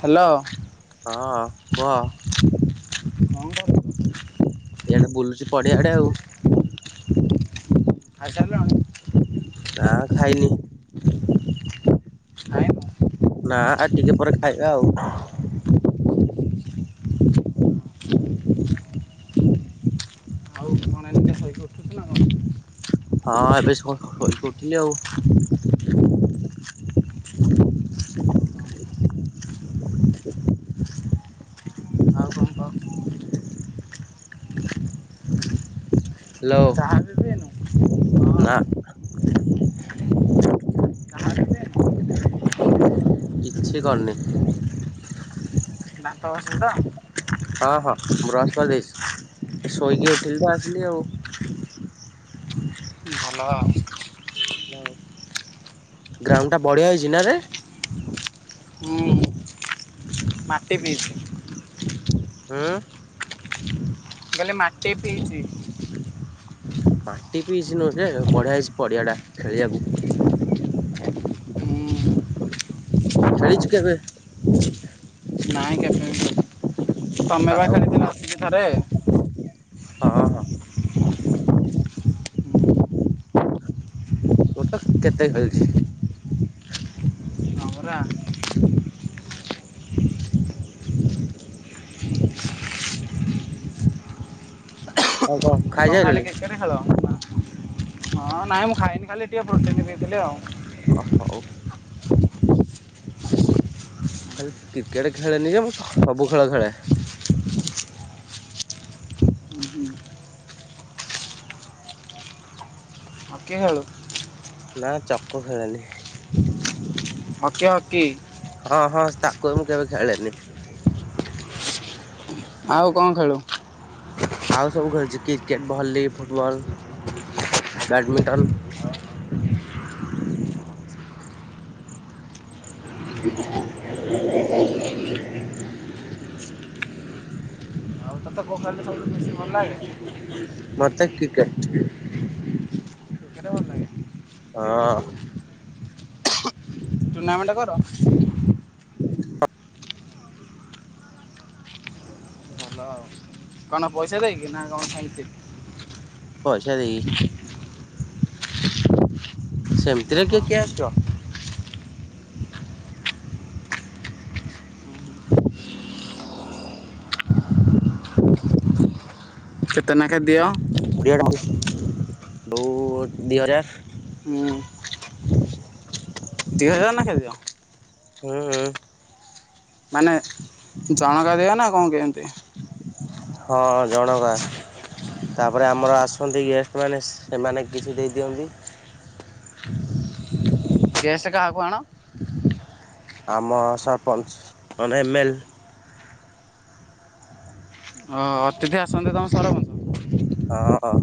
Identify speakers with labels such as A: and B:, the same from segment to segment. A: Hello!
B: ହଁ କୁହ
A: [unintelligible]
B: ଏଇଆଡେ ବୁଲୁଛି ପଡିଆଡେ ଆଉ
A: ଖାଇ ସାଇଲଣି?
B: ନାଁ ଖାଇନି।
A: ଖାଇନୁ।
B: ନା ଆଉ ଟିକେ ପରେ ଖାଇବା ଆଉ।
A: ଆଉ କଣ ଏମିତିଆ ଶୋଇକି ଉଠୁଛୁ ନା କଣ?
B: ହଁ ଏବେ କରୁଥିଲି ଆଉ [inaudible]
A: ଆଉ କଣ କହ?
B: ହ୍ୟାଲୋ!
A: ଚାହା ବି ପିଏନୁ?
B: ନା।
A: ହଁ। ଚାହା ବି ପିଏନୁ?
B: କିଛି କରନି।
A: ନା ତସ
B: ହଁ ହଁ ବ୍ରହସ୍ପ ଦେଇଛି ଶୋଇକି ଉଠିଲି ତ ଆସିଲି ଆଉ
A: [inaudible]
B: ଗ୍ରାଉଣ୍ଡ ଟା ବଢିଆ ହେଛି ନାରେ
A: ହୁଁ। ମାଟି ପି
B: ହଁ?
A: କଇଲି ମାଟି ପିଇଛି
B: ମାଟି ପିଇଛି ନୁ ବଢିଆ ହେଇଛି ପଡିଆ ଟା ଖେଳିବାକୁ
A: ହୁଁ।
B: ଖଳି ଚୁକ କେବେ?
A: ନାଇଁ କେବେ ବି କି ତମେ ବା
B: ଆଉ
A: ଖାଲି ଦିନ ଅସିକି ଥରେ?
B: ହଁ ହ। ମୁଟ କେତେ ଖେଳିଛି।
A: ହଁ ପରା।
B: [unintelligible]
A: କଣ ଖାଲି କେକରେ ଖେଳ, ହଁ ନାଇଁ ମୁଁ ଖାଇନି ଖାଲି ଟିକେ ପ୍ରୋଟିନ୍ ଦେଇଥିଲି ଆଉ।
B: ଅ ହଉ ମୁଁ ଖାଲି କ୍ରିକେଟ ଖେଳେନି ଯେ ମୁଁ ସବୁ ଖେଳ ଖେଳେ
A: ଆ କେ ହେ
B: ନା ଚକ ଖେଳଣିି
A: ହକି, ହକି।
B: କେ ମୁ କେବେ ଖେଳନି।
A: ଆଉ କଣ ଖେଳୁ?
B: ଆଉ ସବୁ ଖେଳୁଛି କ୍ରିକେଟ ଭଲି ଫୁଟବଲ ବଟମିଣ୍ଟନ
A: [inaudible]
B: [inaudible]
A: ପଖାଳ ସବୁୁ ବେଶୀ ଭଲ ଲାଗେ
B: ମତେ କ୍ରିକେଟ
A: [inaudible] ସେଟା ଭଲ ଲାଗେ?
B: ହଁ।
A: ଟୁର୍ଣ୍ଣାମେଣ୍ଟ କର?
B: [inaudible]
A: ଭଲ ଆଉ। କଣ ପଇସା ଦେଇକି ନା କଣ ସେମିତି?
B: ପଇସା ଦେଇକି। ସେମିତିରେ
A: ଓହୋ।
B: କିଏ କିଏ ଆସିବ?
A: କେତେ ନାଖେ ଦିଅ?
B: କଡିଏ ଦଉ ଦି ହଜାର।
A: ହୁଁ। ଦି ହଜାର ନା ଖାଇଦେଇଛ?
B: ହୁଁ ହୁଁ।
A: ମାନେ ଜଣଙ୍କା ଦିଅ ନା କଣ କେମିତି?
B: ହଁ ଜଣକା। ତାପରେ ଆମର ଆସନ୍ତି ଗେଷ୍ଟମାନେ ସେମାନେ କିଛି ଦେଇ ଦିଅନ୍ତି।
A: ଗେଷ୍ଟ କାହାକୁ ଆଣ?
B: ଆମ ସରପଞ୍ଚ ନହେଲେ ଏମ୍ ଏଲ।
A: ଓ ଅତିଥି ଆସନ୍ତି ତମ ସରପଞ୍ଚ?
B: ହଁ ହଁ।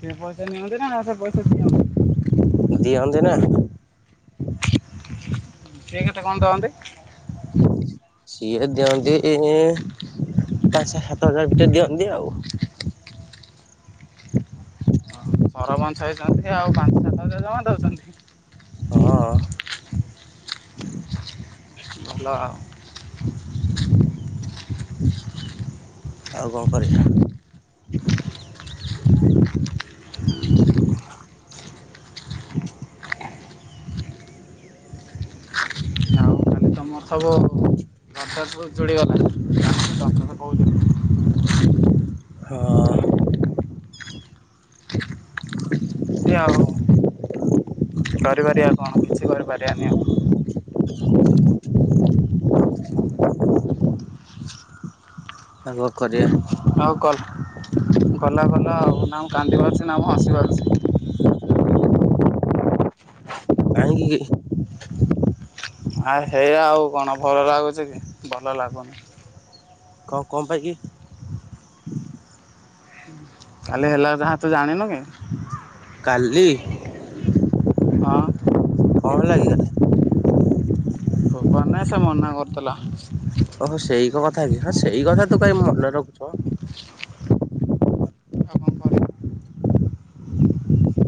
A: ସେ ପଇସା ନିଅନ୍ତି ନା ସେ ପଇସା ଦିଅନ୍ତି?
B: ଦିଅନ୍ତି ନା।
A: କିଏ କେତେ କଣ ଦିଅନ୍ତି?
B: ସେ ଦିଅନ୍ତି ପାଞ୍ଚ ସାତ ହଜାରଟି ଦିଅନ୍ତି ଆଉ।
A: ସରପଞ୍ଚ ହେଇଛନ୍ତି ଆଉ ପାଞ୍ଚ ସାତ ହଜାର ଜମା ଦଉଛନ୍ତି।
B: ହଁ।
A: ଭଲ ଆଉ [inaudible]
B: ଆଉ କଣ କରିବା? [inaudible]
A: ଆମର ସବୁ [unintelligible] ଯୁଡ଼ିିବାଲା [inaudible]
B: ହଁ [inaudible]
A: କହୁଥିଲି ଆଉ କରିପାରିବା କଣ କିଛି କରିପାରିବାନି ଆଉ।
B: ଆଉ କଣ କରିବା?
A: ହଉ କଲ୍ ଗଲା ଗଲା ଆଉ ନା ମୁଁ କାନ୍ଦି ପାରୁଛି ନା ମୁଁ ହସି ପାରୁଛି?
B: [inaudible] କାହିଁକି?
A: ଆ ହେଇଆ ଆଉ କଣ ଭଲ ଲାଗୁଛି କି ଭଲ ଲାଗୁନି?
B: କହ କଣ ପାଇଁ କି?
A: କାଲି ହେଲା ଯାହା ତୁ ଜାଣିନୁ କି?
B: କାଲି?
A: ହଁ।
B: କଣ ହେଲା କି କାଲି?
A: ନାଇ ସେ ମନା କରୁଥିଲା।
B: ଓହୋ ସେଇ କଥା କି ହଁ ସେଇ କଥା ତୁ କାଇ ମନେ ରଖୁଛୁ ମ?
A: ଆଉ କଣ କରିବି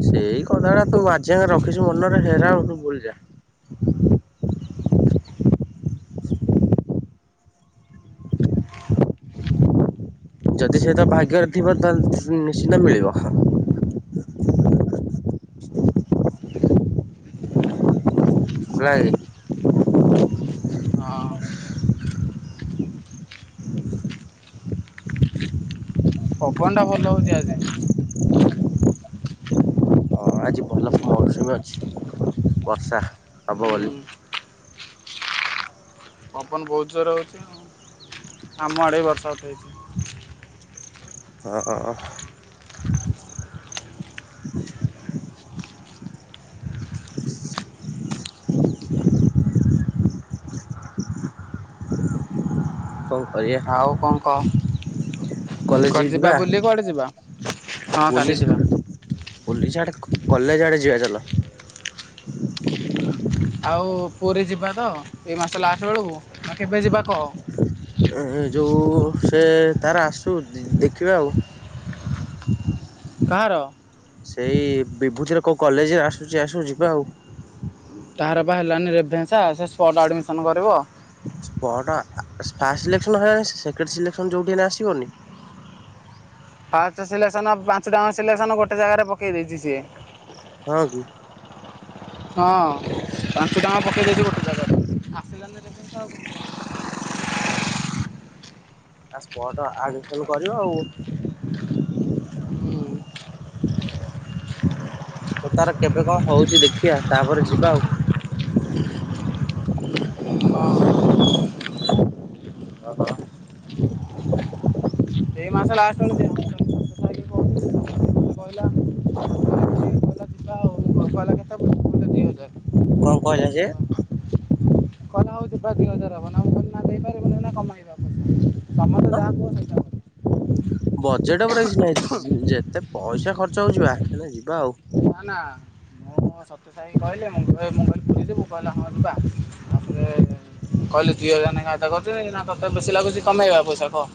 B: ସେଇ କଥାଟା ତୁ ଆଜି ଆଙ୍କେ ରଖିଛୁ ମନରେ ହେରା ସବୁ ଭୁଲଯା।
A: [inaudible]
B: ଯଦି ସେ ତ ଭାଗ୍ୟରେ ଥିବ ତାହେଲେ ନିଶ୍ଚିନ୍ତ ମିଳିବ। ଭାଇ
A: ହଁ ପବନଟା ଭଲ ହଉଛି ଆଜି।
B: ହଁ ଆଜି ଭଲ ମୌସୁମୀ ଅଛି ବର୍ଷା ହବ
A: ହୁଁ
B: ବୋଲି।
A: [inaudible] ପବନ ବହୁତ ଜୋର ହଉଛି, ଆଉ ଆମ ଆଡ଼େ ବି ବର୍ଷା ଉଠେଇଛି।
B: ହଁ।
A: [inaudible]
B: [inaudible] କଣ କରିବା
A: ଆଉ କଣ କହ?
B: କଲେଜ ଯି
A: କୁଆଡେ
B: ଯିବା
A: ବୁଲି କୁଆଡେ ଯିବା ହଁ କାଲି
B: ପୋଲିସ
A: ଯିବା।
B: ପୋଲିସ ଆଡେ କଲେଜ ଆଡେ ଯିବା ଚାଲ
A: ଆଉ ପୁରୀ ଯିବା ତ ଏଇ ମାସ ଲାଷ୍ଟ ବେଳକୁ ଆଉ କେବେ ଯିବା କହ?
B: ଯୋଉ ସେ ତାର ଆସୁ ଦେଖିବା ଆଉ।
A: କାହାର?
B: ସେଇ ବିଭୂତିର କୋଉ କଲେଜରେ ଆସୁଛି ଆସୁ ଯିବା ଆଉ।
A: ତାହାର ବା ହେଲାନି ରେଭେନ୍ସା ସେ ସ୍ପଟ ଆଡ଼ମିସନ୍ କରିବ?
B: ସ୍ପଟ ଫାଷ୍ଟ ସିଲେକ୍ସନ୍ ହେଲାଣି ସେକେଣ୍ଡ ସିଲେକ୍ସନ ଯୋଉଠି ହେଲେ ଆସିବନି।
A: ଫାଷ୍ଟ ସିଲେକ୍ସନ୍ ପାଞ୍ଚ ଟାଙ୍କ ସିଲେକ୍ସନ୍ ଗୋଟେ ଜାଗାରେ ପକେଇ ଦେଇଛି ସିଏ!
B: ହଁ କି?
A: ହିଁ ପାଞ୍ଚଟଙ୍କା ପକେଇଦେଇଛି ଗୋଟେ ଜାଗାରେ। ଆସିଲାନି ତ କଣ କରିବ। [inaudible]
B: ସ୍ପଟ୍ ଆଡମିସନ କରିବ ଆଉ।
A: ହୁଁ।
B: ହ ତାର କେବେ କଣ ହଉଛି ଦେଖିବା ତାପରେ ଯିବା ଆଉ। ହ।
A: ହଁ।
B: ହ ହ।
A: ଏ ମାସ ଲାଷ୍ଟ କୁ ଯିବା। କହିଲା ଏମିତି କିଲ ଆଉ କହ କେତ ଦିଆଯାଏ। ମୁ କହିଲି ଦିହଜାର
B: କଣ କହିଲା ଯେ?
A: କହିଲା ହଉ ଯିବା ଦିଇ ହଜାର ହବ ନା ଦେଇପାରିବନି ନା କମେଇବା ଆ ତମର
B: ହଁ
A: ଯାହା କୁହ ସେଇ
B: ବଜେଟ ଉପରେ କିଛିନହିଁ ଯେତେ ପଇସା ଖର୍ଚ୍ଚ ହଉ ଯିବା ଯିବା ଆଉ।
A: ନା ନା ମୁଁ ସତ୍ୟ ସାାଇ କହିଲେ, ମୁଁ କହ ମୁଁ କହିଲି ପଲିଯିବୁ କହିଲା ହଁ ଯିବା କହିଲେ ଦୁଇ ହଜାର ନେଖା ଆଦାକାରୀଦବା ନ ତୋତେ ବେଶୀ ଲାଗୁଛି, କମେଇବା ପଇସା କହ?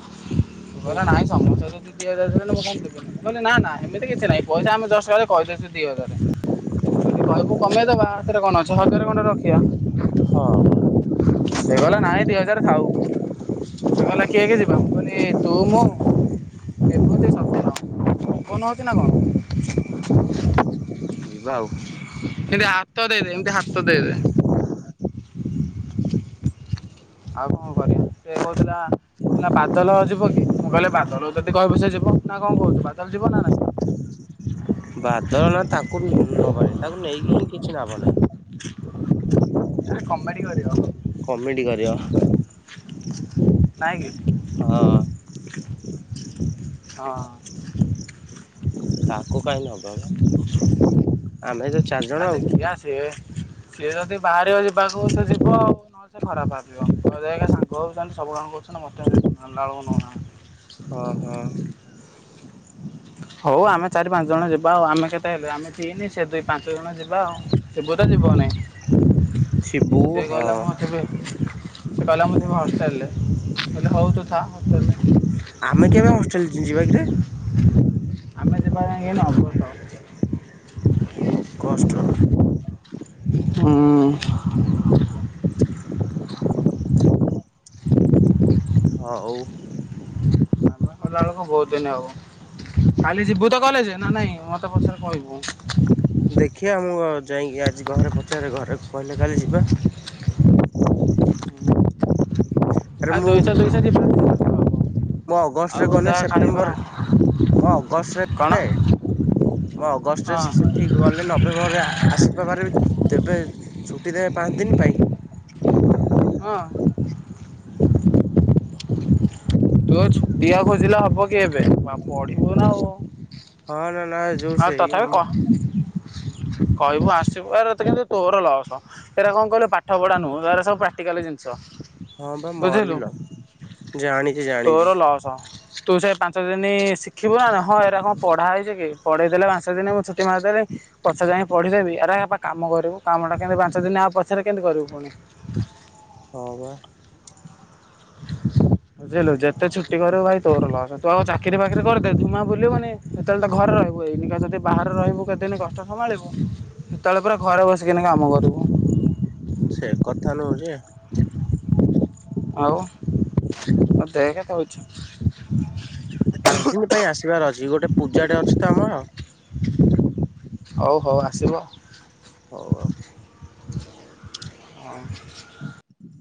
B: ଓହୋ
A: ନାଇଁ ସମସ୍ତେ ଯଦି ଦିହଜାର ଦେବେ, ତ ମୁଁ କହି ଦେବିନି ନା ନା ଏମିତି କିଛି ନାହିଁ ପଇସା ଆମେ ଯୁଷ୍ଟ କହି ଯଦି କହିବୁ କମେଇଦବା ସେଥିରେ କଣ ଅଛି। କଣ ଅଛ ହଜାର କଣରେ ରଖ।
B: ହଁ।
A: ସେ କହିଲା ନାଇଁ ଦି ହଜାର ଥାଉ ସେ କହିଲା କିଏ କି ଯିବା? ମୁଁ କହିଲି ତୁ ମୁଁ ଏମିତି ସତରଜପବନ ହଉଛି ନ କଣ? [inaudible]
B: ଯିବା ଆଉ।
A: ଏମିତି ହାତ ଦେଇଦ ଏମିତି ହାତ ଦେଇଦ ଆଉ କଣ କରିବି ସେ କହୁଥିଲା କହିଲା ବାଦଲ ଯିବ କି, ମୁଁ କହିଲି ବାଦଲ ଯଦି କହିବୁ ସେ ଯିବ। ନା କଣ କହୁଚ୍ଛୁ ବାଦଲ ଯିବ ନା ନାଇଁ?
B: ବାଦଲ ନା ତାକୁ ନବାନି ତାକୁ ନେଇକି ହିଁ କିଛି ଲାଭ ନାହିଁ।
A: କମେଡି କରିବ।
B: କମେଡି କରିବ
A: ନାଇଁ କିି?
B: ହଁ
A: ହଁ।
B: ତାକୁ କାହିଁ ନବା ମ ଆମେ ତ
A: ଆ
B: ଚାରିଜଣ ଆଉ।
A: ଦେଖିବା ସିଏ ସିଏ ଯଦି ବାହାରିବ ଯିବାକୁ ତ ଯିବ। ଆଉ ନହେଲେ ଖରାପ ଭାବିବ। ଦେଖେ ସାଙ୍ଗ ହଉଚନ୍ତି ସବୁଆଙ୍କ କରୁଛନ୍ତି। ମତେ ଆଉ ନେଲାବେଳକୁ ନଉନାହାନ୍ତି।
B: ହଁ ହଁ।
A: ହଉ ଆମେ ଚାରି ପାଞ୍ଚ ଜଣ ଯିବା ଆଉ। ଆମେ କେତେ ହେଲେ ଆମେ ତିନି ସେ ଦୁଇ ପାଞ୍ଚ ଜଣ ଯିବା ଆଉ। ଯିବୁ ତ ଯି ବନି।
B: ଶିବୁ ହଁ।
A: ସେ କହିଲା ମୁଁ ଯିମି ହଷ୍ଟେଲରେ ମୁଁ କହିଲି ହୋଉ ତୁ ଥା।
B: ଆମେ କେବେ ହଷ୍ଟେଲ ଯି ଯିବା କିରେ।
A: ଆମେ ଯିବା ଯାଇଁକି ଅଗଷ୍ଟ।
B: ଗଷ୍ଟ।
A: ହୁଁ।
B: ହଉ।
A: ଆମେ ଗଲା ବେଳକୁ ବହୁତ ଦିନ ହବ। କାଲି ଯିବୁ ତ କଲେଜ ନା ନାଇଁ ମତେ ପଛରେ କହିବୁ।
B: ଦେଖିବା ମୁଁ ଯାଇଁକି ଆଜି ଘରେ ପଚାର ଘରେ କହିଲେ କାଲି ଯିବା।
A: ଆଉ ଦୁଇ [unintelligible]
B: ମୋ ଅଗଷ୍ଟରେ ଗନେ ସେପ୍ଟେମ୍ବର ମୋ
A: କଣ
B: ଅଗଷ୍ଟରେ ମୁଁ ଅଗଷ୍ଟରେ
A: ହଁ
B: ସେ ସେ ଠିକ ଗଲେ ନଭେମ୍ବର ରେ ଆସିତ ପାରିବି। ତେବେ ଛୁଟିରେ ପାଆନ୍ତିନି ପାଇ
A: ହଁ। ତୁ ଆଉ ଛୁଟି ଆଉ ଖୋଜିଲେ ହବ କି ଏବେ। ମା ପଢିବୁ ନା ଆଉ।
B: ହଁ ନା ନା ଯୋଉ
A: ଆଉ
B: ସେଇ
A: ତଥାପି କହ କହିବୁ ଆସ [unintelligible] ଯେତିକି ଖାଲି ତୋର ଲସ ଏଇଟା କଣ କହିଲୁ ପାଠ ପଢା ନୁହଁ। ଏରା ସବୁ ପ୍ରାକ୍ଟିକାଲ ଜିନିଷ।
B: ହଁ ବା ମୋର ବି
A: ବୁଝିଲୁ।
B: ଲସ ଜାଣି
A: ତୋର ଲସ ତୁ ସେ ପାଞ୍ଚ ଦିନି ଶିଖିବ ନା ହଁ ଏରା କଣ ପଢା ହେଇଚି କି? ପଢେଇ ଦେଲେ ପାଞ୍ଚ ଦିନ ମୁଁ ଛୁଟି ମାରିଦେଲେ ପଛରେ ଯାଇକ ପଢିଲେବି ଆରେ ଏରାପା କାମ କରିବୁ। କାମଟା କେମିତି ପାଞ୍ଚ ଦିନ ଆଉ ପଛରେ କେମିତି କରିବୁ ପୁଣି। [inaudible]
B: ହଁ ପା।
A: ବୁଝିଲୁ ଯେତେ ଛୁଟି କରିବୁ ଭାଇ ତୋର ଲସ ତୁ ଆଉ ଚାକିରି ଫାକିରି କରିଦେ। ଧୁଁମ ଆଉ ବୁଲିବୁନି ସେତେବେଳେ ତ ଘରେ ରହିବୁ। ଏଇନିକା ଯଦି ବାହାରେ ରହିବୁ କେତେ ଏଇକିନି କଷ୍ଟ ସମ୍ଭାଳିବୁ ସେତେବେଳେ ପୁରା ଘରେ ବସିକି କାମ କରିବୁ।
B: ସେ କଥା ନୁହେଁ ଯେ।
A: [inaudible] ଆଉ ଦେହ କେତେ ଅଛି।
B: ପାଞ୍ଚ ଦିନ ପାଇଁ ଆସିବାର ଅଛି। ଗୋଟେ ପୂଜାଟେ ଅଛି ତ ଆମର।
A: ହଉ ହଉ ଆସିବ।
B: ହଉ ଆଉ।
A: ଆଉ
B: ହୁଁ ହ